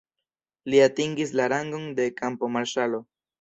Li atingis la rangon de kampo-marŝalo.